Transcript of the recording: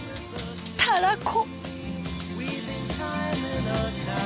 たらこ。